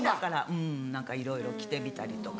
うんいろいろ着てみたりとか。